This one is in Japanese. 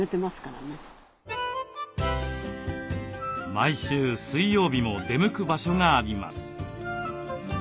毎週水曜日も出向く場所があります。